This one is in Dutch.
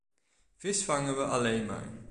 Vis vangen we alleen maar.